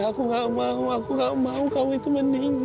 aku gak mau aku gak mau kamu itu meninggal